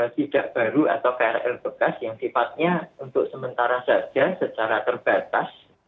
tidak baru atau krl bekas yang sifatnya untuk sementara saja secara terbatas